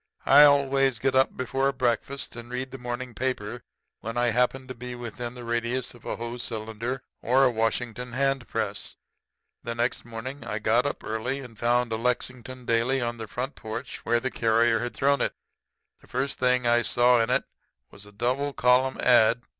"I always get up before breakfast and read the morning paper whenever I happen to be within the radius of a Hoe cylinder or a Washington hand press. The next morning I got up early, and found a Lexington daily on the front porch where the carrier had thrown it. The first thing I saw in it was a double column ad.